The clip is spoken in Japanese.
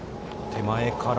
手前から。